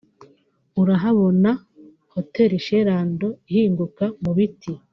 urahabona Hotel Chez Lando ihinguka mu biti